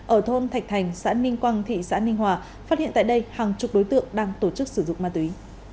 ở thôn thạch thành xã ninh quang thị xã ninh hòa phát hiện tại đây hàng chục đối tượng đang tổ chức sử dụng ma túy